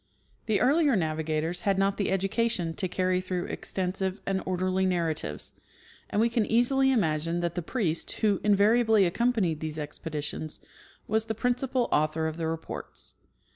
The earlier navigators had not the education to carry through extensive and orderly narratives, and we can easily imagine that the priest, who invariably accompanied these expeditions, was the principal aiuthor of the reports.